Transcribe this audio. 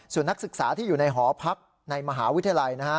ส่วนนักศึกษาที่อยู่ในหอพักในมหาวิทยาลัยนะฮะ